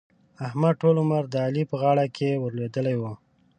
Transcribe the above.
احمد؛ ټول عمر د علي په غاړه کې ور لوېدلی وو.